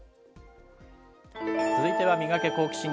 続いてはミガケ、好奇心！